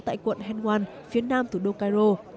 tại quận henwan phía nam thủ đô cairo